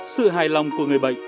sự hài lòng của người bệnh